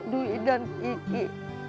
dwi dan kiki